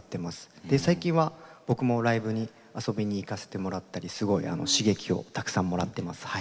最近は僕もライブに遊びに行かせてもらったりすごい刺激をたくさんもらってます。